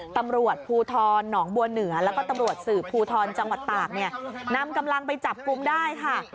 ตำรวจภูทรหนองบัวเหนือแล้วก็ตำรวจสืบภูทรจังหวัดตากเนี่ยนำกำลังไปจับกลุ่มได้ค่ะ